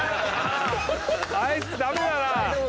あいつ駄目だな。